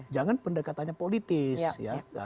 jangan pendekatannya politis ya